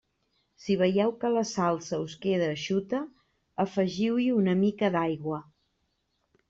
Si veieu que la salsa us queda eixuta, afegiu-hi una mica d'aigua.